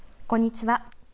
こんにちは。